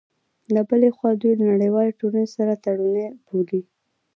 له بلې خوا، دوی له نړیوالې ټولنې سره تړوني بولي